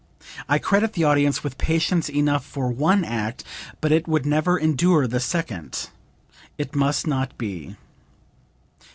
I credit the audience with patience enough for one act, but it would never endure the second. It must not be."